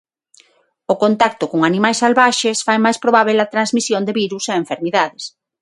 O contacto con animais salvaxes fai máis probábel a transmisión de virus e enfermidades.